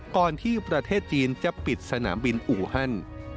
ก่อนที่ประเทศจีนจะปิดสนามบินอูฮัน